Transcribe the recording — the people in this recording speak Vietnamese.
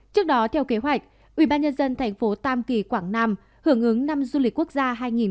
trước đó theo kế hoạch ubnd thành phố tam kỳ quảng nam hưởng ứng năm du lịch quốc gia hai nghìn hai mươi hai